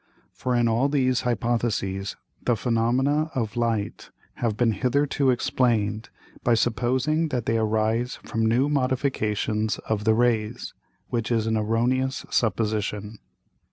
For in all these Hypotheses the Phænomena of Light have been hitherto explain'd by supposing that they arise from new Modifications of the Rays; which is an erroneous Supposition.